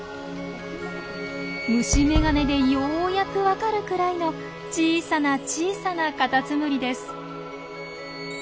虫眼鏡でようやく分かるくらいの小さな小さなカタツムリです。